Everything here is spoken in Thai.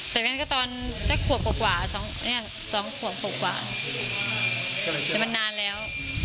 แต่อย่างนั้นก็จะขวบนอกกว่าต้นอย่างนี้สองขวบนอกกว่าตอนนั้นนานแล้ว